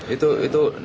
itu niatnya memang